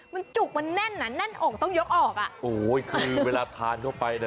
มันจุกมันแน่นอ่ะแน่นอกต้องยกออกอ่ะโอ้โหคือเวลาทานเข้าไปน่ะ